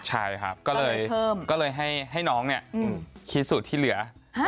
ใช่ครับก็เลยให้น้องคิดสูตรที่เหลือ